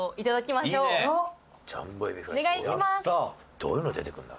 どういうの出てくるんだ？